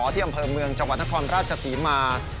ที่อำเภอเมืองจังหวัดนครราชศรีมา